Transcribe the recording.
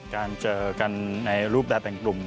การเจอกันในรูปได้เป็นกลุ่ม